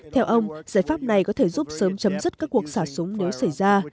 theo ông giải pháp này có thể giúp sớm chấm dứt các cuộc xả súng